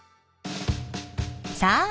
さあ